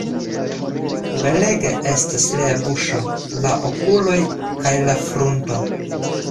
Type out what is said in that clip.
Belega estas lia buŝo, la okuloj kaj la frunto.